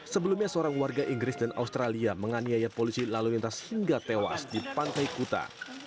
sebelumnya seorang warga inggris dan australia menganiaya polisi lalu lintas hingga tewas di pantai kuta